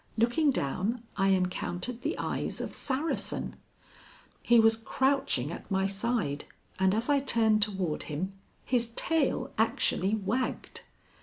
Looking down, I encountered the eyes of Saracen. He was crouching at my side, and as I turned toward him, his tail actually wagged.